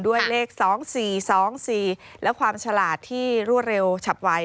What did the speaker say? เลข๒๔๒๔และความฉลาดที่รวดเร็วฉับไว